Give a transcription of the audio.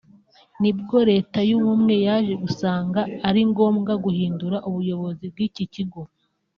nibwo Leta y’ubumwe yaje gusanga ari ngombwa guhindura ubuyobozi bw’iki kigo